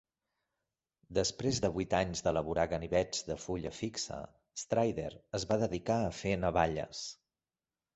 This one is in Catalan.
Després de vuit anys d'elaborar ganivets de fulla fixa, Strider es va dedicar a fer navalles.